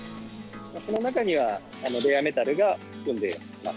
この中には、レアメタルが含んでます。